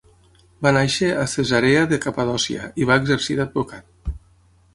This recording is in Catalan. Va néixer a Cesarea de Capadòcia i va exercir d'advocat.